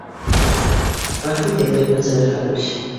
— Ғәфү итегеҙ, Ғилман Сәмерханович